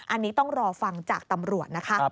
อันนี้ต้องรอฟังจากตำรวจนะคะ